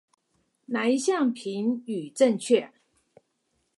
哪一項評語正確？